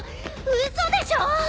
嘘でしょ！？